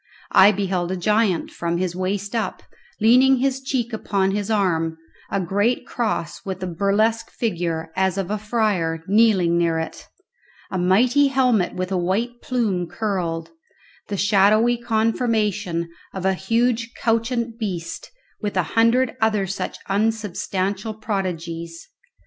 I beheld a giant, from his waist up, leaning his cheek upon his arm; a great cross with a burlesque figure, as of a friar, kneeling near it; a mighty helmet with a white plume curled; the shadowy conformation of a huge couchant beast, with a hundred other such unsubstantial prodigies.